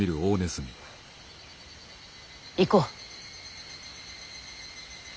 行こう。